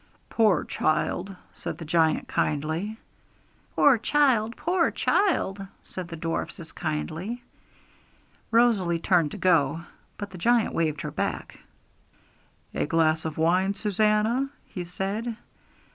'Poor child!' said the giant kindly. 'Poor child! poor child!' said the dwarfs as kindly. Rosalie turned to go, but the giant waved her back. 'A glass of wine, Susannah!' he said.